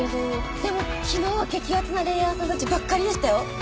でも昨日は激アツなレイヤーさんたちばっかりでしたよ。